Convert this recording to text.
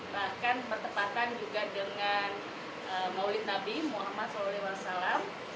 bahkan bertepatan juga dengan maulid nabi muhammad saw